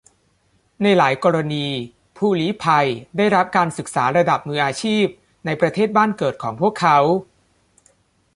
ในหลายกรณีผู้ลี้ภัยได้รับการศึกษาระดับมืออาชีพในประเทศบ้านเกิดของพวกเขา